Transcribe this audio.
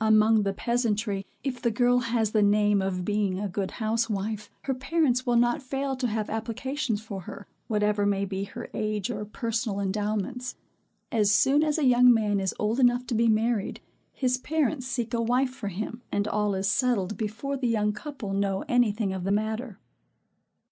Among the peasantry, if the girl has the name of being a good housewife, her parents will not fail to have applications for her, whatever may be her age or personal endowments. As soon as a young man is old enough to be married, his parents seek a wife for him, and all is settled before the young couple know any thing of the matter.